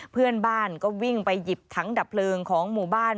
เพื่อนบ้านก็วิ่งไปหยิบถังดับเพลิงของหมู่บ้าน